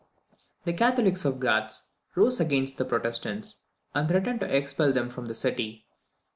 The Catholics at Gratz rose against the Protestants, and threatened to expell them from the city.